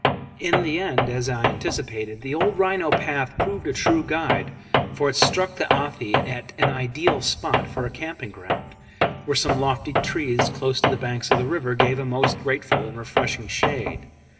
In the end, as I anticipated, the old rhino path proved a true guide, for it struck the Athi at an ideal spot for a camping ground, where some lofty trees close to the bank of the river gave a most grateful and refreshing shade.